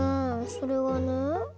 それはね